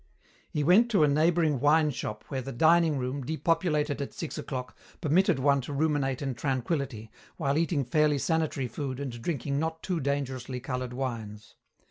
He went to a neighbouring wine shop where the dining room, depopulated at six o'clock, permitted one to ruminate in tranquillity, while eating fairly sanitary food and drinking not too dangerously coloured wines.